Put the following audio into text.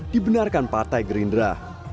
dibenarkan partai gerindra